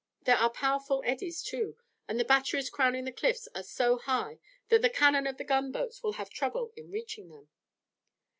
There are powerful eddies, too, and the batteries crowning the cliffs are so high that the cannon of the gunboats will have trouble in reaching them."